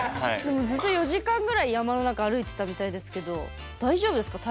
ずっと４時間ぐらい山の中歩いてたみたいですけど大丈夫ですか？